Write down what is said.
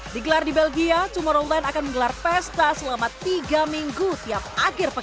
digelar di belgia tumorrowland akan menggelar pesta selama tiga minggu tiap akhir pekan